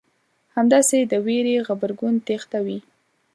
همداسې د وېرې غبرګون تېښته وي.